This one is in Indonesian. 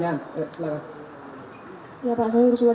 ya pak saya lurusullah